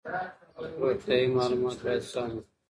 روغتیايي معلومات باید سم وي.